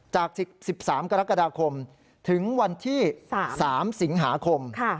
จาก๑๓กรกฎาคมถึงวันที่๓สิงหาคม